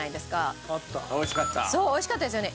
そう美味しかったですよね。